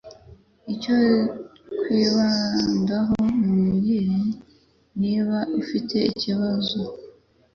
Icyo kwibandaho mu mirire niba ufite icyo kibazo